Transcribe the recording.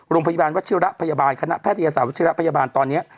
โรงพยาบาลวัชิฮะพยาบาลคณะแพทยาศาสตร์วัชิฮะพยาบาลตอนนี้